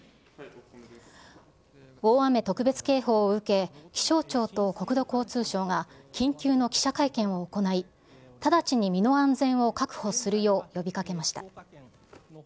大雨特別警報を受け、気象庁と国土交通省が緊急の記者会見を行い、直ちに身の安全を確保するよう呼びかけました。